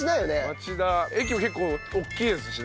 町田駅も結構大きいですしね。